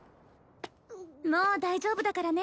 もう大丈夫だからね